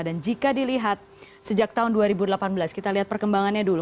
dan jika dilihat sejak tahun dua ribu delapan belas kita lihat perkembangannya dulu